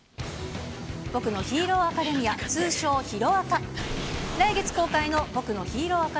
僕のヒーローアカデミア、通称ヒロアカ。